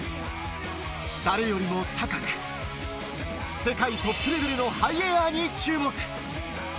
誰よりも高く、世界トップレベルのハイエアに注目。